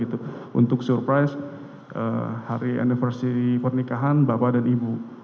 untuk surprise hari anniversi pernikahan bapak dan ibu